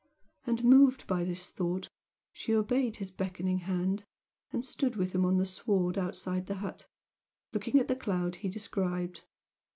And, moved by this thought, she obeyed his beckoning hand, and stood with him on the sward outside the hut, looking at the cloud he described.